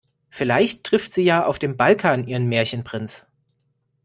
Vielleicht trifft sie ja auf dem Balkan ihren Märchenprinz.